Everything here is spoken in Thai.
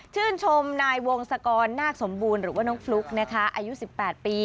ชื่นชมนายวงศกรนาคสมบูรณ์หรือว่าน้องฟลุ๊กนะคะอายุ๑๘ปี